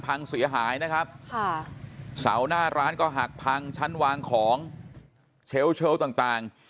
พังเสียหายนะครับค่ะเสาหน้าร้านก็หักพังชั้นวางของเชลล์เชลล์ต่างต่าง